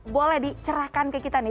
boleh dicerahkan ke kita nih